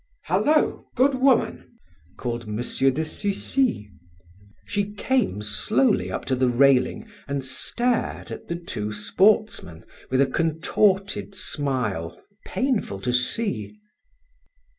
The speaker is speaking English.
"Hallo, good woman," called M. de Sucy. She came slowly up to the railing, and stared at the two sportsmen with a contorted smile painful to see.